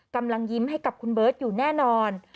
กำลังยิ้มให้กับคุณเบิร์ตอยู่แน่นอน